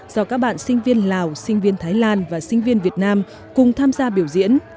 do các bạn sinh viên lào sinh viên thái lan và sinh viên việt nam cùng tham gia biểu diễn